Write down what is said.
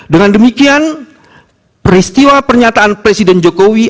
dengan demikian peristiwa pernyataan presiden jokowi